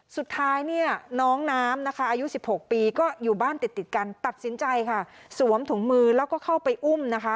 สุดท้ายเนี่ยน้องน้ำนะคะอายุ๑๖ปีก็อยู่บ้านติดติดกันตัดสินใจค่ะสวมถุงมือแล้วก็เข้าไปอุ้มนะคะ